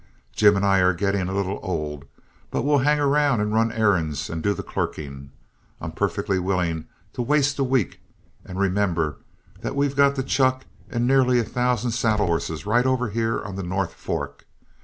Jim and I are getting a little too old, but we'll hang around and run errands and do the clerking. I'm perfectly willing to waste a week, and remember that we've got the chuck and nearly a thousand saddle horses right over here on the North Fork.